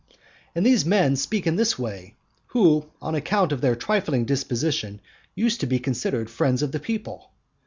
II. And these men speak in this way, who on account of their trifling disposition used to be considered friends of the people.